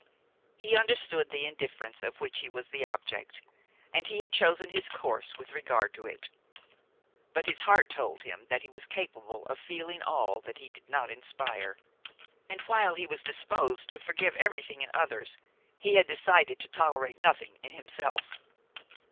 He understood the indifference of which he was the object, and he had chosen his course with regard to it; but his heart told him that he was capable of feeling all that he did not inspire, and, while he was disposed to forgive everything in others, he had decided to tolerate nothing in himself.